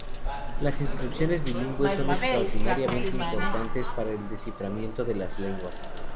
Las inscripciones bilingües son extraordinariamente importantes para el desciframiento de lenguas.